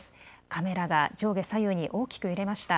カメラが上下左右に大きく揺れました。